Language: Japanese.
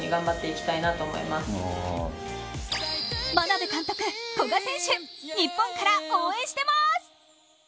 眞鍋監督、古賀選手、日本から応援してます。